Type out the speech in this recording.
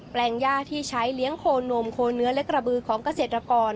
แปลงย่าที่ใช้เลี้ยงโคนมโคนเนื้อและกระบือของเกษตรกร